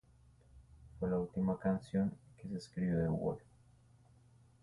Fue la última canción que se escribió de "The Wall".